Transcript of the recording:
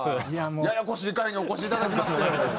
ややこしい回にお越しいただきまして。